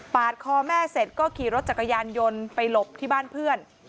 คอแม่เสร็จก็ขี่รถจักรยานยนต์ไปหลบที่บ้านเพื่อน